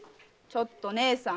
ちょっと新さん！